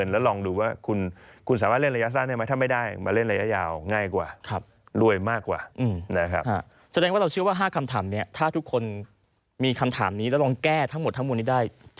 จริงเลยกลายเป็นมันขาดสิ่งที่เป็นแก่นของหุ้นไป